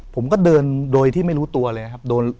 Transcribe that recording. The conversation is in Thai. ผมก็เดินโดยที่ไม่รู้ตัวเลยนะครับ